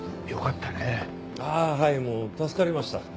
ああはいもう助かりました。